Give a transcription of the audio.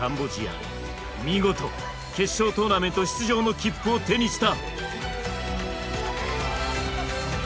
見事決勝トーナメント出場の切符を手にした。